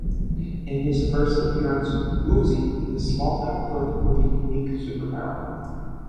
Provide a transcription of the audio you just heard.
In his first appearance, Woozy is a small-time crook with a unique superpower.